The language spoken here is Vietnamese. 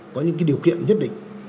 có những điều kiện nhất định